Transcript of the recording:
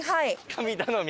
神頼み？